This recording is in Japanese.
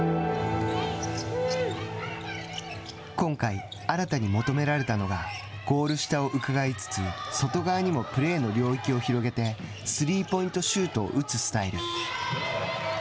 今回、新たに求められたのがゴール下をうかがいつつ外側にもプレーの領域を広げてスリーポイントシュートを打つスタイル。